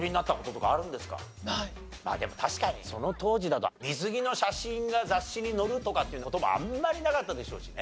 ああでも確かにその当時だと水着の写真が雑誌に載るとかっていう事もあんまりなかったでしょうしね。